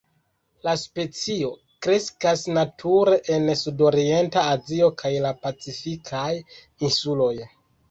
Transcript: La specio kreskas nature en sudorienta Azio kaj la Pacifikaj insuloj.